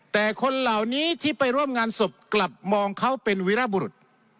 แต่คนเหล่านี้ที่ไปร่วมงานศพกลับมองเขาเป็นวิรบุรุษ